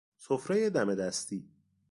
سفره دم دستی